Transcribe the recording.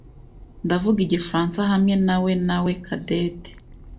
Ndavuga Igifaransa hamwe nawe nawe Cadette.